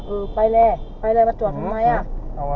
เออไปเลยไปเลยมาจวดไหมเอ้าเอามา